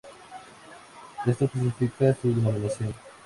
Esto justifica su denominación.